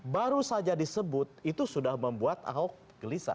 baru saja disebut itu sudah membuat ahok gelisah